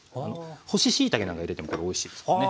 干ししいたけなんか入れてもこれおいしいですからね。